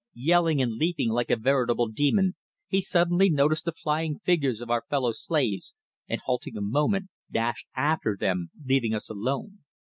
Yelling and leaping like a veritable demon, he suddenly noticed the flying figures of our fellow slaves, and halting a moment, dashed after them, leaving us alone.